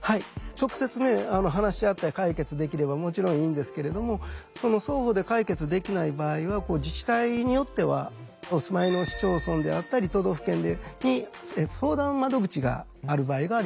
直接ね話し合って解決できればもちろんいいんですけれどもその双方で解決できない場合は自治体によってはお住まいの市町村であったり都道府県に相談窓口がある場合があります。